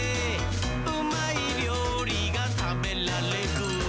「うまいりょうりがたべらレグ！」